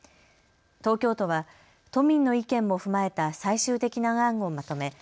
東京都は都民の意見も踏まえた最終的な案をまとめ